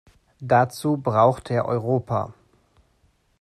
Dazu braucht er Europa.